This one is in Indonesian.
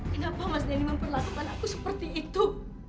kenapa mas denny memperlakukan aku seperti itu